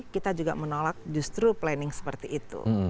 kita juga menolak justru planning seperti itu